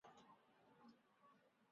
赌博的人都十分高兴